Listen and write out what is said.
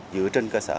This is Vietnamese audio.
dựa trên cơ sở